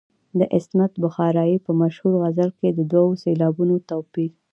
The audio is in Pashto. د عصمت بخارايي په مشهور غزل کې د دوو سېلابونو توپیر.